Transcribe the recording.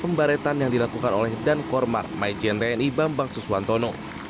pembaretan yang dilakukan oleh dan kormar maijen tni bambang suswantono